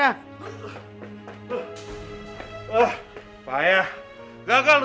abis semuanya bos gak ada sisanya